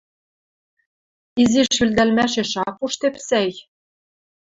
«Изиш йӱлдӓлмӓшеш ак пуштеп сӓй...